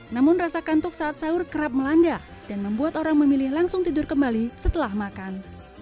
namun rasa kantuk saat sahur kerap melanda dan membuat orang memilih langsung tidur kembali setelah makan